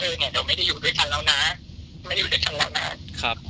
เนี่ยเราไม่ได้อยู่ด้วยกันแล้วนะไม่ได้อยู่ด้วยกันแล้วนะครับ